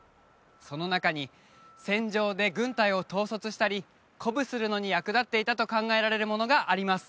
その中に戦場で軍隊を統率したり鼓舞するのに役立っていたと考えられるものがあります